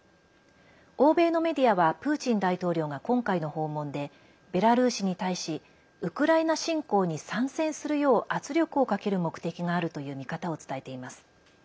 欧米のメディアはプーチン大統領が今回の訪問でベラルーシに対しウクライナ侵攻に参戦するよう圧力をかける目的があるという見方を伝えています。